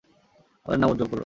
আমাদের নাম উজ্জ্বল করো।